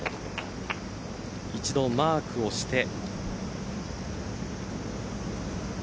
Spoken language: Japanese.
一度、マークをして。